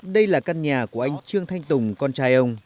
đây là căn nhà của anh trương thanh tùng con trai ông